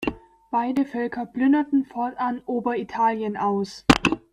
Beide Völker plünderten fortan Oberitalien aus.